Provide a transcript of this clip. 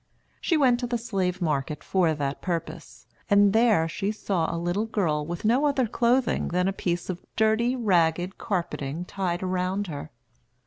She went to the slave market for that purpose, and there she saw a little girl with no other clothing than a piece of dirty, ragged carpeting tied round her.